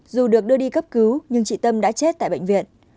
dù được đưa đi cấp cứu nhưng chị tâm đã chết tại bệnh viện